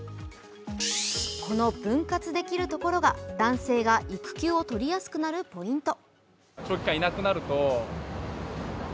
この分割できるところが男性が育休を取りやすくなるポイント。